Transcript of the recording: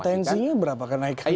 potensinya berapa kenaikannya